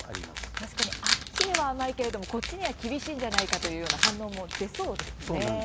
確かにあっちには甘いけれどもこっちには厳しいじゃないかという反応も出そうですね。